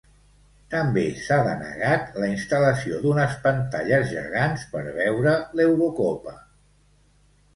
També s'ha denegat la instal·lació d'unes pantalles gegants per veure l'Eurocopa.